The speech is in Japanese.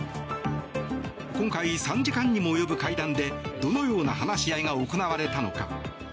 今回、３時間にも及ぶ会談でどのような話し合いが行われたのか。